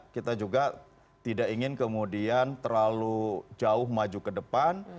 kita juga tidak ingin kemudian terlalu jauh maju ke depan